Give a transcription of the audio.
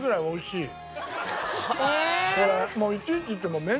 おいしい。